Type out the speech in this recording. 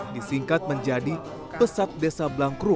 disingkat menjadi pesat desa blangkru